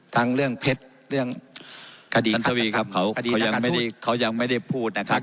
ทั้งเรื่องเพชรเรื่องคดีนักการทุฏท่านทวีครับเขายังไม่ได้พูดนะครับ